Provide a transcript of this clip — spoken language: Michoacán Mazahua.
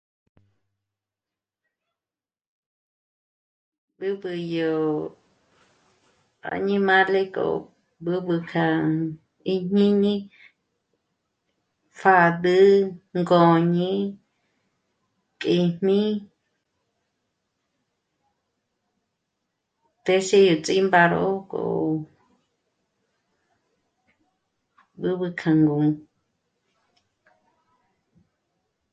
B'ǘb'ü yo 'áñimale k'o b'ǘbü jân í jñìñi pjàd'ü ngö̀ñi k'îjmi tèxi í ts'ímbaro k'o b'ǘb'ü k'a ngùmü